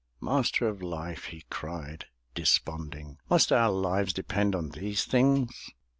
"Master of Life!" he cried, desponding, "Must our lives depend on these things?"